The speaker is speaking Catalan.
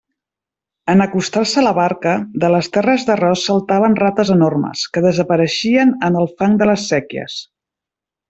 En acostar-se la barca, de les terres d'arròs saltaven rates enormes, que desapareixien en el fang de les séquies.